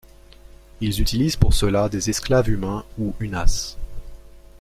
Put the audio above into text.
Ils utilisent pour cela des esclaves humains ou Unas.